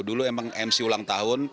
dulu emang mc ulang tahun